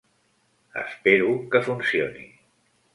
Espero que funcioni.